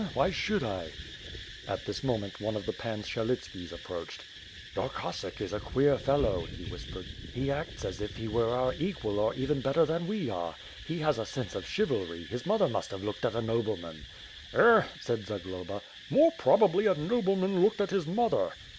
"Eh, why should ir At this moment, one of the Pan Syelitskis approached. "Your Cossack is a queer fellow/^ he whispered, "he acts as if he were our equal or even better than we are. He has a sense of chivalry; his mother must have looked at a noble man.'* "Eh!" said Zagloba, "more probably a nobleman looked at his mother."